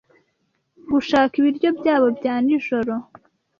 Gushaka ibiryo byabo bya nijoro